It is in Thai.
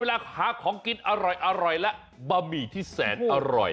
เวลาหาของกินอร่อยและบะหมี่ที่แสนอร่อย